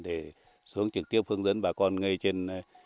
để xuống trực tiếp hướng dẫn bà con ngay trên